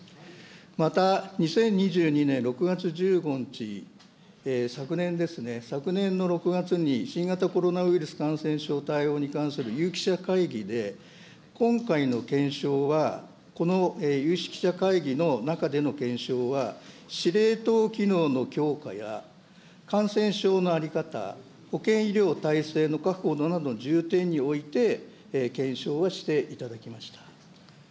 また、２０２２年６月１５日、昨年ですね、昨年の６月に新型コロナウイルス感染症対応に関する有識者会議で、今回の検証はこの有識者会議の中での検証は、司令塔機能の強化や、感染症の在り方、保険医療体制の確保などを重点に置いて検証をしていただきました。